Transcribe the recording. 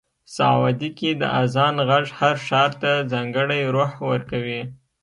سعودي کې د اذان غږ هر ښار ته ځانګړی روح ورکوي.